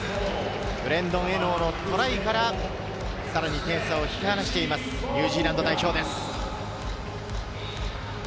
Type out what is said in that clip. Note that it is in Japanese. ブレイドン・エノーのトライからさらに点差を引き離しています、ニュージーランドです。